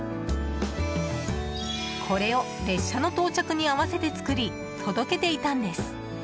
これを列車の到着に合わせて作り届けていたんです。